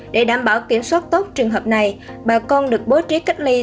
để đảm bảo kiểm soát tốt trường hợp này bà con được bố trí cách ly